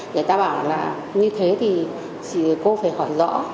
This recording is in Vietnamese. người ta bảo là như thế thì cô phải hỏi rõ